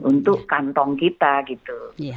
untuk kantong kita gitu